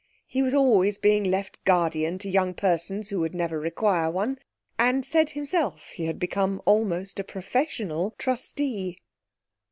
He was always being left guardian to young persons who would never require one, and said himself he had become almost a professional trustee.